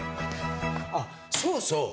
あっそうそう！